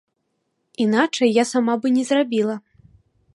Іначай я сама бы не зрабіла.